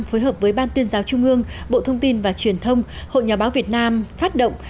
phối hợp với ban tuyên giáo trung ương bộ thông tin và truyền thông hội nhà báo việt nam phát động